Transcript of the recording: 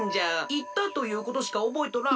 いったということしかおぼえとらん。